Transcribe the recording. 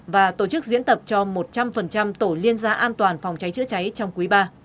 và tổ chức diễn tập cho một trăm linh tổ liên gia an toàn phòng cháy chữa cháy trong quý ba